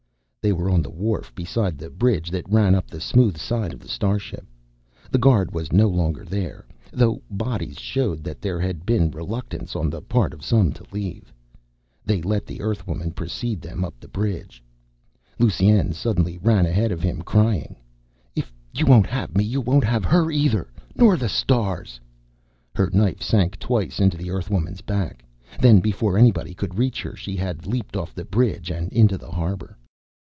They were on the wharf beside the bridge that ran up the smooth side of the starship. The guard was no longer there, though bodies showed that there had been reluctance on the part of some to leave. They let the Earthwoman precede them up the bridge. Lusine suddenly ran ahead of him, crying, "If you won't have me, you won't have her, either! Nor the stars!" Her knife sank twice into the Earthwoman's back. Then, before anybody could reach her, she had leaped off the bridge and into the harbor.